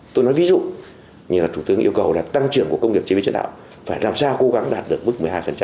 tôi nói ví dụ như là thủ tướng yêu cầu là tăng trưởng của công nghiệp chế biến chế tạo phải làm sao cố gắng đạt được mức một mươi hai